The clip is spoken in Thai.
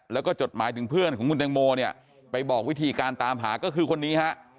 แล้วก็จดหมายถึงเพื่อนของคุณแตงโมเนี่ยไปบอกวิธีการตามหาก็คือคนนี้ฮะ